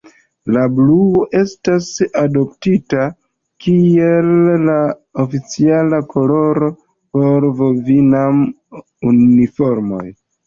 La bluo estis adoptita kiel la oficiala koloro por Vovinam-uniformoj.